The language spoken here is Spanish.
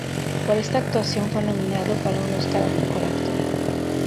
Por esta actuación fue nominado para un Óscar al mejor Actor.